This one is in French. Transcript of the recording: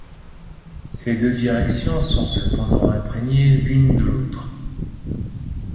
Ces deux directions sont cependant imprégnées l'une de l'autre.